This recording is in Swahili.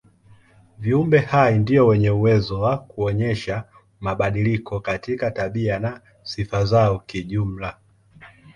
Viumbe hai ndio wenye uwezo wa kuonyesha mabadiliko katika tabia na sifa zao kijumla.